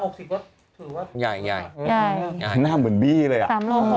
๓๐๖๐ก็ถือว่าหน้าเหมือนบี้เลยอ่ะ